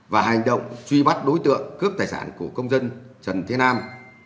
và hành động truy bắt đối tượng cướp tài sản của công dân trần thế nam